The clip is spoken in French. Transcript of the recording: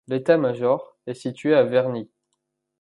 L’état-major était situé à Verniy.